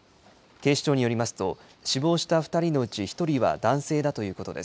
警視庁によりますと、死亡した２人のうち１人は男性だということです。